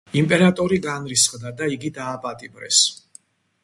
იმპერატორი განრისხდა და იგი დააპატიმრეს.